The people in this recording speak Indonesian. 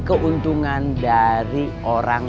keuntungan dari orang